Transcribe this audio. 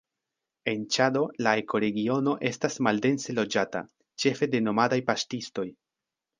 En Ĉado la ekoregiono estas maldense loĝata, ĉefe de nomadaj paŝtistoj.